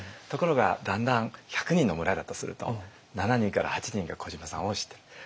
ところがだんだん１００人の村だとすると７人から８人が小島さんを知ってる。